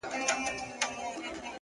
مهرباني د سختو زړونو یخ ماتوي؛